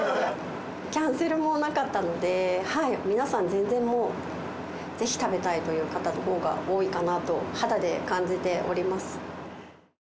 キャンセルもなかったので、皆さん、全然もう、ぜひ食べたいという方のほうが多いかなと肌で感じております。